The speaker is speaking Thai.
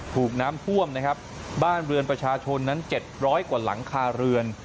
ถูกน้ำท่วมนะครับบ้านเรือนประชาชนนั้น๗๐๐กว่าหลังคาเรือน